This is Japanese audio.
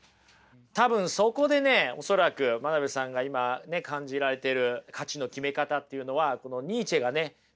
多分そこでね恐らく真鍋さんが今ね感じられてる価値の決め方っていうのはこのニーチェがね提起した